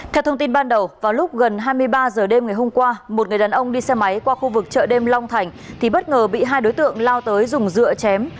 theo thông tin ban đầu vào lúc gần hai mươi ba h đêm ngày hôm qua một người đàn ông đi xe máy qua khu vực chợ đêm long thành thì bất ngờ bị hai đối tượng lao tới dùng dựa chém